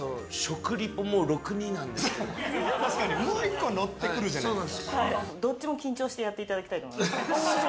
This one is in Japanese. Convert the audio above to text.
もう１個乗ってくるじゃないですか。